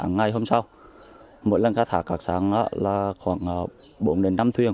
ngày hôm sau mỗi lần cát thả cát sáng là khoảng bốn năm thuyền